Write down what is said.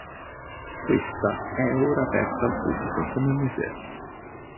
Questa è ora aperta al pubblico come museo.